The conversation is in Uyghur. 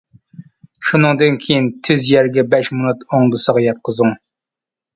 شۇنىڭدىن كېيىن تۈز يەرگە بەش مىنۇت ئوڭدىسىغا ياتقۇزۇڭ.